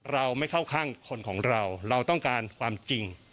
เราไม่เข้าข้างคนของเราเราต้องการความจริง